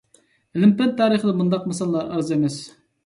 ئىلىم-پەن تارىخىدا مۇنداق مىساللار ئاز ئەمەس.